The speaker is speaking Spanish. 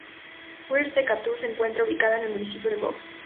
West Decatur se encuentra ubicada en el municipio de Boggs.